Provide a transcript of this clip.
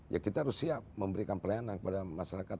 ya kita harus siap memberikan pelayanan kepada masyarakat